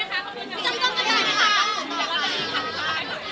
กี่ชั่วโมงคะ